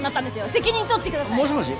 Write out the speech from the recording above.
責任取ってください！もしもし？